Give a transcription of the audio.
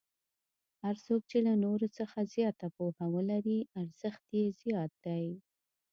هر څوک چې له نورو څخه زیاته پوهه ولري ارزښت یې زیات دی.